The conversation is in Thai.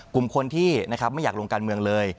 กลุ่มคนที่นะครับไม่อยากลงการเมืองเลย